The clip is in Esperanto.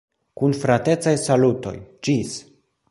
Kun fratecaj salutoj, ĝis!